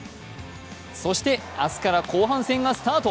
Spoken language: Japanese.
そして明日から後半戦がスタート。